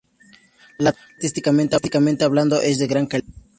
La talla, artísticamente hablando, es de gran calidad.